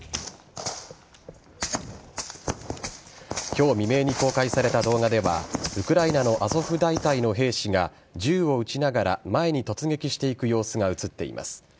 今日未明に公開された動画ではウクライナのアゾフ大隊の兵士が銃を撃ちながら前に突撃していく様子が映っています。